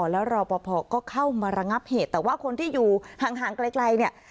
แล้วรอปภก็เข้ามาระงับเหตุแต่ว่าคนที่อยู่ห่างไกลเนี่ย